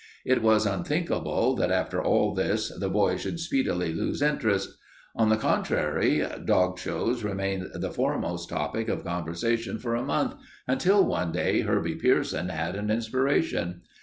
It was unthinkable that, after all this, the boys should speedily lose interest. On the contrary, dog shows remained the foremost topic of conversation for a month, until one day Herbie Pierson had an inspiration.